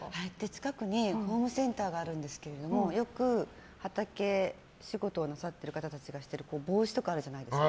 近くにホームセンターがあるんですけどよく畑仕事をなさっている方がしてる帽子とかあるじゃないですか。